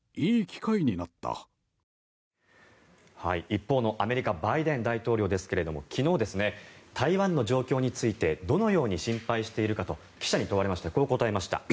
一方のアメリカ、バイデン大統領ですが昨日、台湾の状況についてどのように心配しているかと記者に問われましてこう答えました。